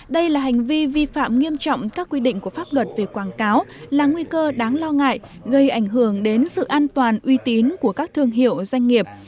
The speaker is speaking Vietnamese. đây là hành vi vi phạm nghiêm trọng các quy định của pháp luật về quảng cáo là nguy cơ đáng lo ngại gây ảnh hưởng đến sự an toàn uy tín của các thương hiệu doanh nghiệp